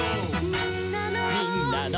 「みんなの」